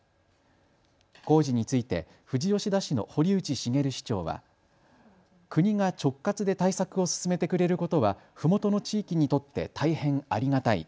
工事について富士吉田市の堀内茂市長は国が直轄で対策を進めてくれることはふもとの地域にとって大変ありがたい。